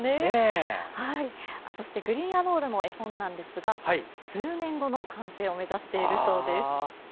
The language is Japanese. グリーンアノールの絵本は数年後の完成を目指しているそうです。